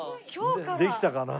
できたかな？